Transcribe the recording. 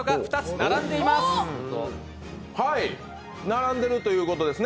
並んでるということですね。